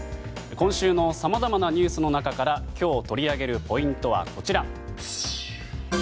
今週のさまざまなニュースの中から今日取り上げるポイントはこちら。